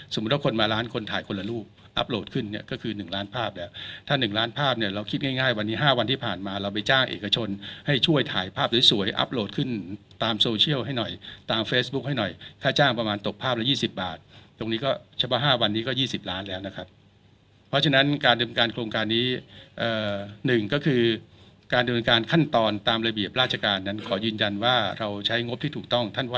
สมมุติว่าคนมาร้านคนถ่ายคนละรูปอัพโหลดขึ้นเนี่ยก็คือหนึ่งล้านภาพแล้วถ้าหนึ่งล้านภาพเนี่ยเราคิดง่ายวันนี้ห้าวันที่ผ่านมาเราไปจ้างเอกชนให้ช่วยถ่ายภาพสวยอัพโหลดขึ้นตามโซเชียลให้หน่อยตามเฟสบุ๊คให้หน่อยค่าจ้างประมาณตกภาพละยี่สิบบาทตรงนี้ก็เฉพาะห้าวันนี้ก็ยี่สิบล้านแล้ว